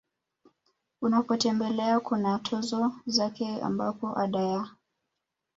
unapotembelea kuna tozo zake ambapo Ada ya